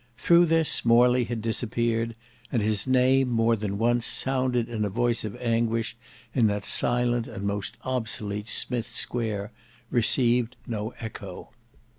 Through this Morley had disappeared; and his name, more than once sounded in a voice of anguish in that silent and most obsolete Smith's Square, received no echo.